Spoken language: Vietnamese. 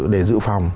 để giữ phòng